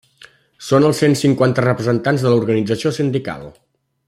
Són els cent cinquanta representants de l'Organització Sindical.